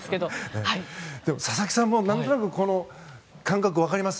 佐々木さんも何となくこの感覚、分かります？